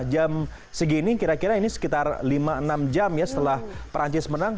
jam segini kira kira ini sekitar lima enam jam ya setelah perancis menang